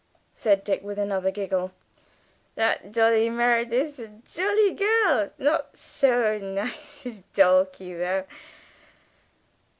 said Dick, with another giggle. "That lil' Dolly Merridew's jolly girl. Not sho nice as Dulcie, though.